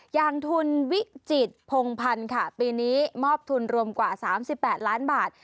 อย่างทุนวิจิตพงพันธ์ค่ะปีนี้มอบทุนรวมกว่า๓๘ล้านบาท